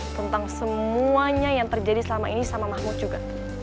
tentang semuanya yang terjadi selama ini sama mahmud juga